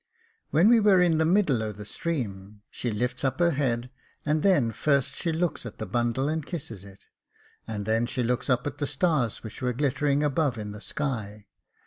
When we were in the middle o' the stream, she lifts up her head, and then first she looks at the bundle and kisses it, and then she looks up at the stars which were glittering above in the sky.